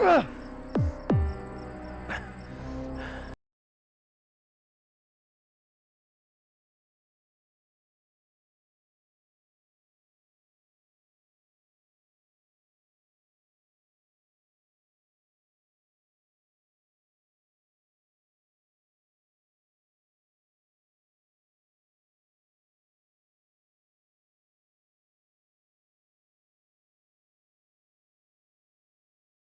aku mau ke rumah